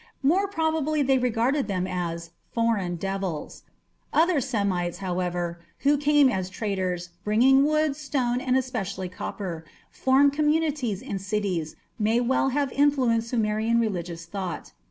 More probably they regarded them as "foreign devils". Other Semites, however, who came as traders, bringing wood, stone, and especially copper, and formed communities in cities, may well have influenced Sumerian religious thought.